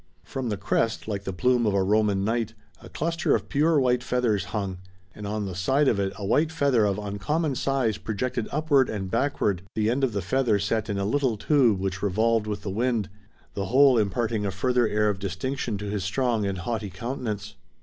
From the crest, like the plume of a Roman knight, a cluster of pure white feathers hung, and on the side of it a white feather of uncommon size projected upward and backward, the end of the feather set in a little tube which revolved with the wind, the whole imparting a further air of distinction to his strong and haughty countenance.